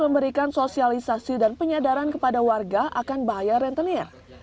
memberikan sosialisasi dan penyadaran kepada warga akan bahaya rentenir